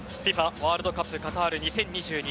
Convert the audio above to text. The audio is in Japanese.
ワールドカップカタール２０２２